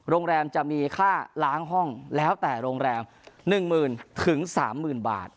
โรงแรมจะมีค่าล้างห้องแล้วแต่โรงแรม๑๐๐๐๓๐๐๐บาท